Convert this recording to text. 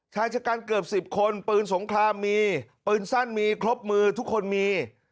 ชายชะกันเกือบ๑๐คนปืนสงครามมีปืนสั้นมีครบมือทุกคนมี